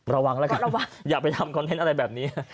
ระวังแล้วกันอย่าไปทำคอนเทนต์อะไรแบบนี้